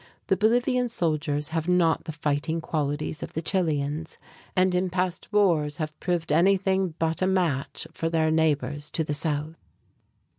The Bolivian soldiers have not the fighting qualities of the Chileans, and in past wars have proved anything but a match for their neighbors to the south.